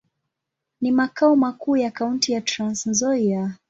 Ni makao makuu ya kaunti ya Trans-Nzoia.